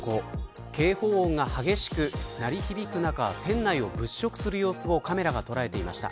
警報音が激しく鳴り響く中店内を物色する様子をカメラが捉えていました。